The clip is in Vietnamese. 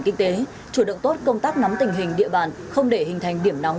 kinh tế chủ động tốt công tác nắm tình hình địa bàn không để hình thành điểm nóng